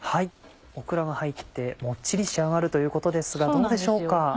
オクラが入ってもっちり仕上がるということですがどうでしょうか？